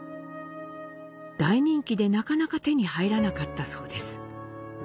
大人気でなかなか手に入らなかったそうです。